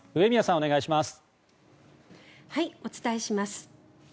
お伝えします。